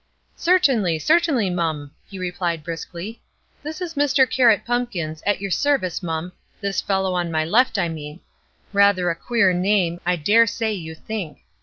"Certainly! certainly, mum!" he replied, briskly. "This is Mr. Carrot Pumpkins, at your service, mum this fellow on my left, I mean; rather a queer name, I dare say you think.